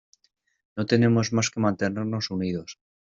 No tenemos más que mantenernos unidos.